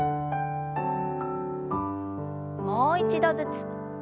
もう一度ずつ。